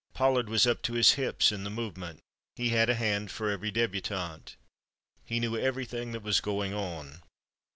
Pollard was up to his hips in the movement. He had a hand for every débutante. He knew everything that was going on.